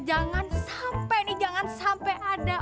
jangan sampai nih jangan sampai ada